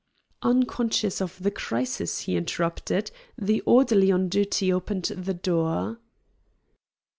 Unconscious of the crisis he interrupted, the orderly on duty opened the door.